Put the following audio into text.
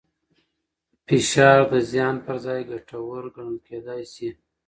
فشار د زیان پر ځای ګټور ګڼل کېدای شي.